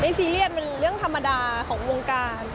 ซีเรียสมันเรื่องธรรมดาของวงการ